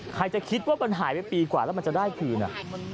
ใครจะคิดว่ามันหายไปปีกว่าแล้วมันจะได้คืนอ่ะ